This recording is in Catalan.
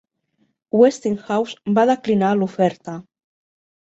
Westinghouse va declinar l"oferta.